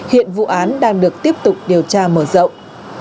hiện vụ án đang được tiếp tục điều tra mở rộng